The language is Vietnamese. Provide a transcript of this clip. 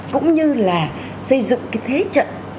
cũng như là xây dựng thế trận